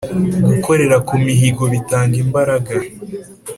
Gukorera ku mihigo bitanga imbaraga